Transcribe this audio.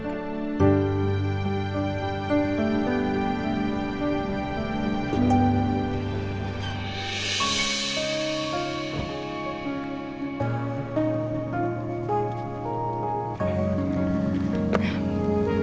ya enam puluh tahun